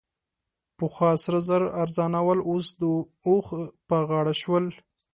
پخوا سره زر ارزانه ول؛ اوس د اوښ په غاړه شول.